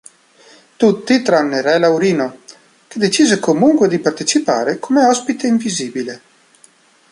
Tutti tranne Re Laurino, che decise comunque di partecipare come ospite invisibile.